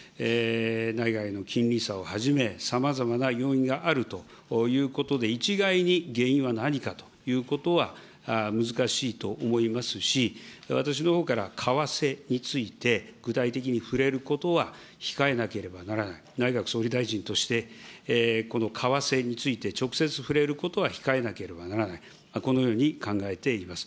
内外の金利差をはじめ、さまざまな要因があるということで、一概に原因は何かということは難しいと思いますし、私のほうから為替について具体的に触れることは、控えなければならない、内閣総理大臣としてこの為替について、直接触れることは控えなければならない、このように考えています。